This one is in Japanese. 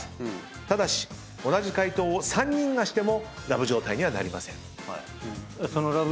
ただし同じ回答を３人がしてもラブ状態にはなりません。